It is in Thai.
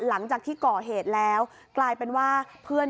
พอหลังจากเกิดเหตุแล้วเจ้าหน้าที่ต้องไปพยายามเกลี้ยกล่อม